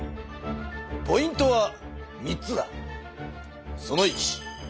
ポイントは３つだ。